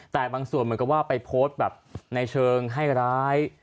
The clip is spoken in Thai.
แต่บางส่วนเหมือนกับว่าไปโพสต์แบบในเชิงให้ร้าย